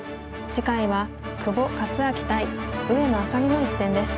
次回は久保勝昭対上野愛咲美の一戦です。